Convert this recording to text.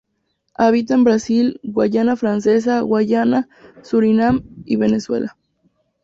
Habita en Brasil, Guayana Francesa, Guayana, Surinam y Venezuela.